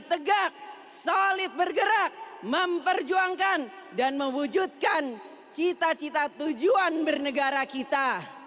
tegak solid bergerak memperjuangkan dan mewujudkan cita cita tujuan bernegara kita